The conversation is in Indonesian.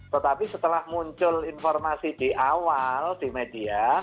tetapi setelah muncul informasi di awal di media